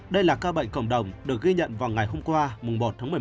đây là ca bệnh cộng đồng được ghi nhận vào ngày hôm qua mùng một tháng một mươi một